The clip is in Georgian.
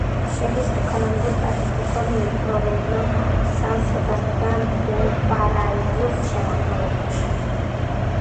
შედის ეკონომიკურ-სტატისტიკურ მიკრორეგიონ სან-სებასტიან-დუ-პარაიზუს შემადგენლობაში.